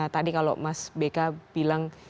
tadi kalau mas beka bilang